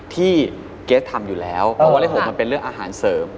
เกรสทำอยู่แล้วเพราะว่าเลข๖มันเป็นเรื่องอาหารเสริม